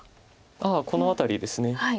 ああこの辺りですね。